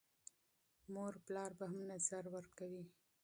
والدین به هم نظر ورکوي.